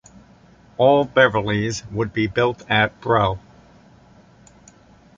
All Beverleys would be built at Brough.